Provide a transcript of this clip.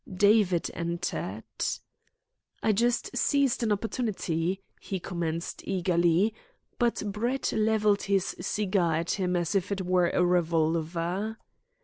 David entered. "I just seized an opportunity " he commenced eagerly, but Brett levelled his cigar at him as if it were a revolver.